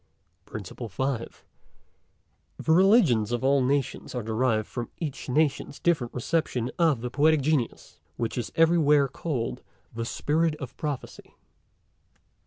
PRINCIPLE FIFTH. The Religions of all Nations are derived from each Nation's different reception of the Poetic Genius, which is everywhere call'd the Spirit of Prophecy.